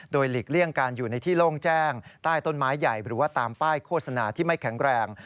โดยหลีกเลี่ยงการอยู่ในที่โล่งแจ้งใต้ต้นไม้ใหญ่หรือว่าตามป้ายโฆษณาที่ไม่แข็งแรง